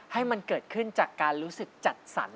ให้มันเกิดขึ้นจากการรู้สึกจัดสรร